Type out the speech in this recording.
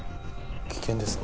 危険です。